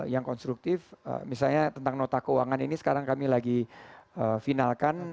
yang konstruktif misalnya tentang nota keuangan ini sekarang kami lagi finalkan